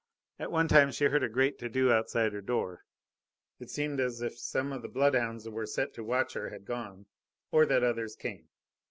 At one time she heard a great to do outside her door. It seemed as if some of the bloodhounds who were set to watch her had gone, or that others came.